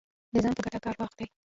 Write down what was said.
د ځان په ګټه کار واخلي